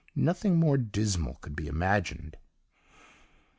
Nothing more dismal could be imagined.